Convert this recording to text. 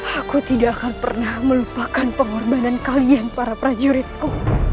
aku tidak akan pernah melupakan pengorbanan kalian para prajuritku